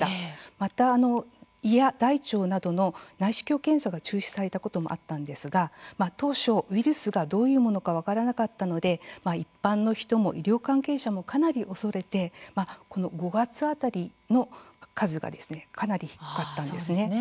また胃や大腸などの内視鏡検査が中止されたこともあったんですが当初ウイルスがどういうものか分からなかったので一般の人も医療関係者もかなり恐れて５月辺りの数がかなり低かったんですね。